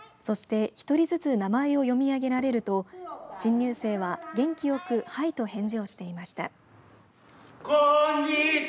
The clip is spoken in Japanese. そして１人ずつ名前を読み上げられると新入生は元気よくはいと返事をしていました。